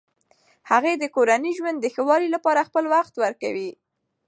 هغې د کورني ژوند د ښه والي لپاره خپل وخت ورکوي.